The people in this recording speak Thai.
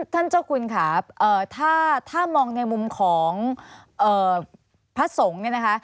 เจ้าคุณค่ะถ้ามองในมุมของพระสงฆ์เนี่ยนะคะ